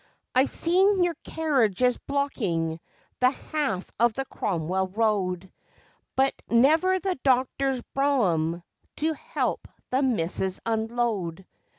I've seen your carriages blocking the half of the Cromwell Road, But never the doctor's brougham to help the missus unload.